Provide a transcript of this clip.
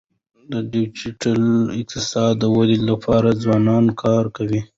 د ډیجیټل اقتصاد د ودي لپاره ځوانان کار کوي.